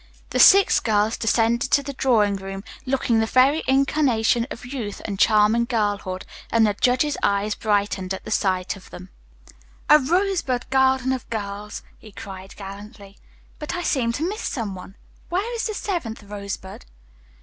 The six girls descended to the drawing room, looking the very incarnation of youth and charming girlhood, and the judge's eyes brightened at sight of them. "A rosebud garden of girls," he cried gallantly, "but I seem to miss some one. Where is the seventh rosebud?"